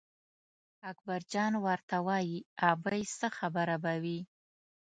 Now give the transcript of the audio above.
اکبرجان ورته وایي ابۍ څه خبره به وي.